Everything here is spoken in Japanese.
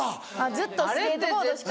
ずっとスケートボードしか。